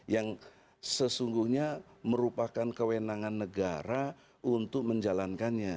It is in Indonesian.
yang sesungguhnya merupakan kewenangan negara untuk menjalankannya